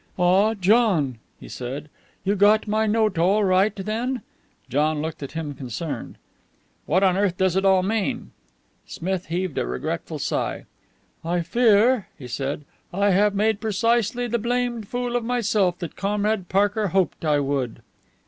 "Ah, John," he said. "You got my note all right, then?" John looked at him, concerned. "What on earth does it all mean?" Smith heaved a regretful sigh. "I fear," he said, "I have made precisely the blamed fool of myself that Comrade Parker hoped I would."